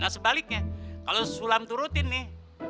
nah sebaliknya kalau sulam tuh rutin nih